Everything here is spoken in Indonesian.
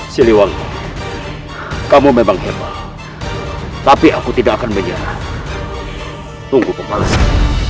siliwangi kamu memang hebat tapi aku tidak akan menyerah tunggu pemanasan